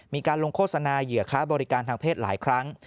มีการลงโฆษณาเหยื่อค้าบริการทางเพศหลายครั้ง